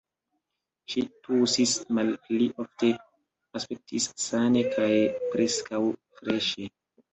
Ŝi tusis malpli ofte, aspektis sane kaj preskaŭ freŝe.